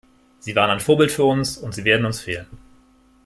Sie waren ein Vorbild für uns, und Sie werden uns fehlen.